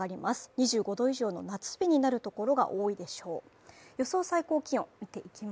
２５度以上の夏日になるところが多いでしょう。